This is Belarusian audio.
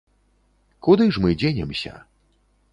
Куды ж мы дзенемся?